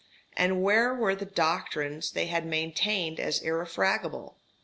and where were the doctrines they had maintained as irrefragable?